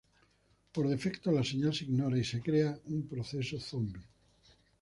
Por defecto, la señal se ignora y se crea un proceso zombie.